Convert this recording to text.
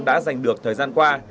đã giành được thời gian qua